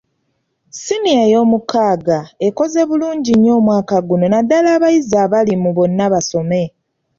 Siniya eyomukaaga ekoze bulungi nnyo omwaka guno naddala abayizi abali mu bonnabasome.